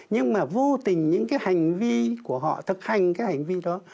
nhưng mà vô tình những cái hành vi của họ thực hành cái hành vi đó